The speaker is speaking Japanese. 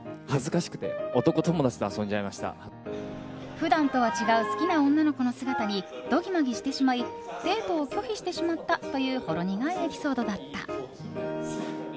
普段とは違う好きな女の子の姿にドギマギしてしまいデートを拒否してしまったというほろ苦いエピソードだった。